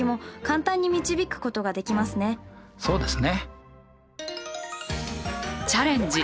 そうですね。